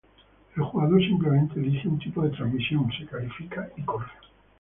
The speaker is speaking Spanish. El jugador simplemente elige un tipo de transmisión, se califica y corre.